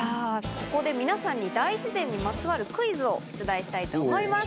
ここで皆さんに大自然にまつわるクイズを出題したいと思います。